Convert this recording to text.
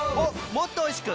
もっとおいしく！